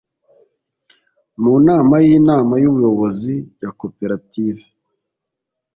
mu nama y'inama y'ubuyobozi ya koperative